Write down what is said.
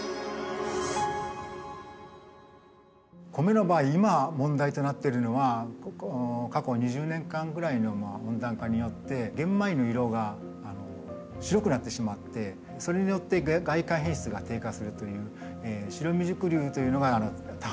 コメの場合今問題となっているのは過去２０年間ぐらいの温暖化によって玄米の色が白くなってしまってそれによって外観品質が低下するという白未熟粒というのが多発しています。